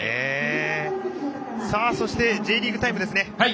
さあ、そして「Ｊリーグタイム」ですね。